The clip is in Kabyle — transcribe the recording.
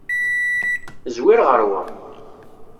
Zwir ɣer wa.